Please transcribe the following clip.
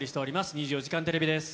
２４時間テレビです。